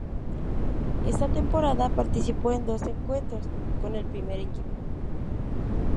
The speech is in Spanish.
Esa temporada participó en dos encuentros con el primer equipo.